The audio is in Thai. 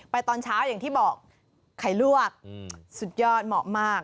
ตอนเช้าอย่างที่บอกไข่ลวกสุดยอดเหมาะมาก